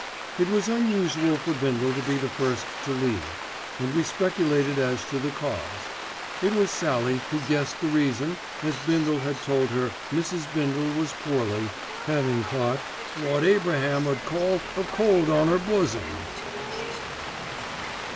It was unusual for Bindle to be the first to leave, and we speculated as to the cause. It was Sallie who guessed the reason as Bindle had told her Mrs. Bindle was poorly, having caught "wot Abraham 'ud call a cold on 'er bosom."